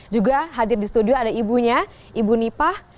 juga hadir di studio ada ibunya ibu nipah